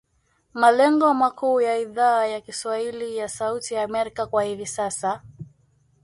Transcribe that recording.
Malengo makuu ya Idhaa ya kiswahili ya Sauti ya Amerika kwa hivi sasa.